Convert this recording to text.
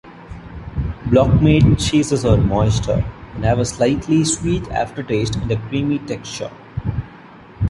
Block-made cheeses are moister, and have a slightly sweet aftertaste and a creamy texture.